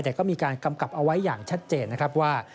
แต่ก็มีการกำกับเอาไว้อย่างชัดเจนนะครับว่า